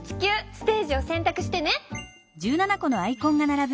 ステージをせんたくしてね。